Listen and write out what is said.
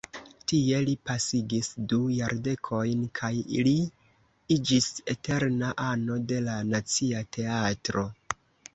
Tie li pasigis du jardekojn kaj li iĝis eterna ano de la Nacia Teatro.